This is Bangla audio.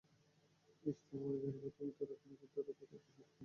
ইজতেমা ময়দানের পশ্চিমে তুরাগ নদের ওপর সাতটি পন্টুন ব্রিজ তৈরি করবে সেনাবাহিনী।